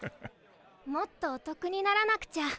もっとおとくにならなくちゃ。